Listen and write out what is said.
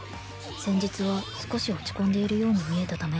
「先日は少し落ち込んでいるように見えたため」